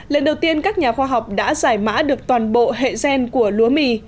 lần đầu tiên các nhà khoa học đã giải mã được toàn bộ hệ gen của lúa mì